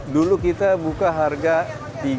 dulu kita buka harga rp tiga ratus lima puluh